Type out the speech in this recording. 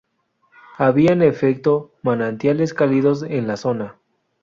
Había en efecto manantiales cálidos en la zona.